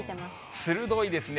鋭いですね。